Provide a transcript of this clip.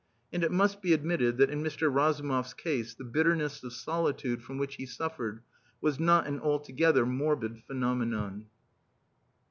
And it must be admitted that in Mr. Razumov's case the bitterness of solitude from which he suffered was not an altogether morbid phenomenon.